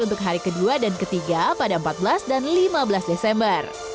untuk hari kedua dan ketiga pada empat belas dan lima belas desember